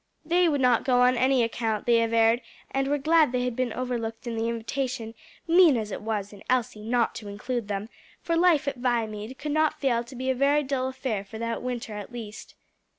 They would not go on any account, they averred, and were glad they had been overlooked in the invitation mean as it was in Elsie not to include them for life at Viamede could not fail to be a very dull affair for that winter at least.